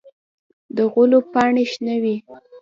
د غلو پاڼې شنه وي.